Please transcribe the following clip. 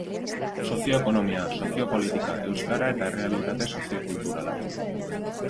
Sozio-ekonomia, sozio-politika, euskara eta errealitate sozio-kulturala.